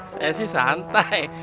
saya sih santai